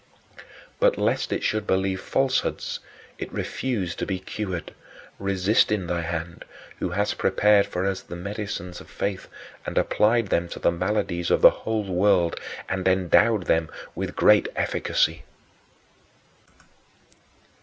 But lest it should believe falsehoods, it refused to be cured, resisting thy hand, who hast prepared for us the medicines of faith and applied them to the maladies of the whole world, and endowed them with such great efficacy.